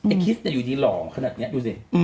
ไอไคสไม่อยู่ดีรอขนาดนี้ดูซิ